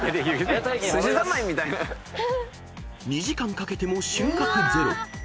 ［２時間かけても収穫ゼロ］